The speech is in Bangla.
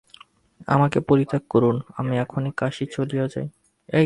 আমাকে পরিত্যাগ করুন, আমি এখনি কাশী চলিয়া যাই।